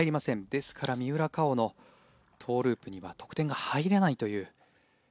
ですから三浦佳生のトウループには得点が入らないという。